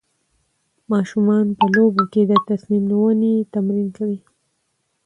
ماشومان په لوبو کې د تصمیم نیونې تمرین کوي.